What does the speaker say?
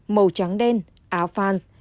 màu trắng đen áo fans